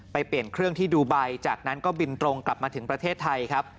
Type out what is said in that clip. เปลี่ยนเครื่องที่ดูไบจากนั้นก็บินตรงกลับมาถึงประเทศไทยครับ